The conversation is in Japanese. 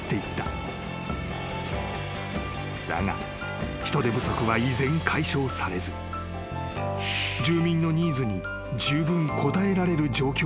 ［だが人手不足は依然解消されず住民のニーズにじゅうぶん応えられる状況ではなかった］